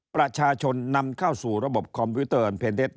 ประชาชนนำเข้าสู่ระบบคอมพิวเตอร์อันเป็นเท็จ